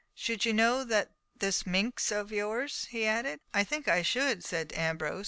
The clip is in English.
"Should you know this minks of yours?" he added. "I think I should," said Ambrose.